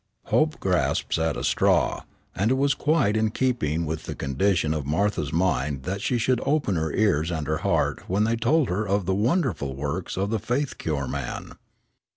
Hope grasps at a straw, and it was quite in keeping with the condition of Martha's mind that she should open her ears and her heart when they told her of the wonderful works of the faith cure man.